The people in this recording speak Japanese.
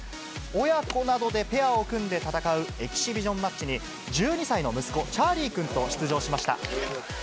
親子などでペアを組んで戦うエキシビションマッチに、１２歳の息子、チャーリー君と出場しました。